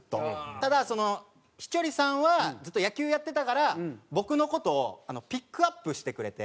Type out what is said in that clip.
ただその稀哲さんはずっと野球やってたから僕の事をピックアップしてくれて。